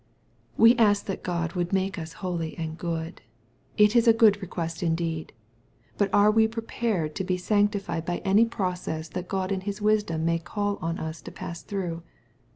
We ask that God would make us holy and good. It is a good request indeed. But are we prepared to be sanctified by any process that God in His wisdom may call on us to pass through